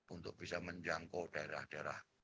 untuk bisa menjangkau daerah daerah